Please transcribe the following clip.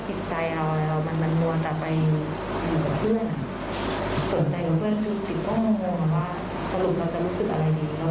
ติ๊กอยากมีเวลาเราก็ถ่ายให้โมนะแต่ว่าติ๊กไม่มีเวลาตรงนี้เลย